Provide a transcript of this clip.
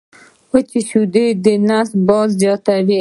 وچي شیدې د نس باد زیاتوي.